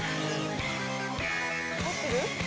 入ってる？